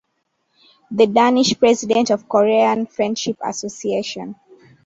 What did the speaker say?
The Danish president of Korean Friendship Association.